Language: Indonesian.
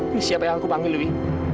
ini siapa yang aku panggil lebih